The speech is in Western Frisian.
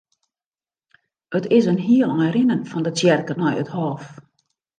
It is in hiel ein rinnen fan de tsjerke nei it hôf.